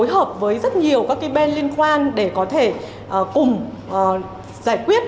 hợp với rất nhiều các cái bên liên quan để có thể cùng giải quyết